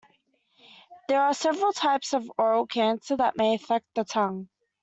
There are several types of oral cancer that mainly affect the tongue.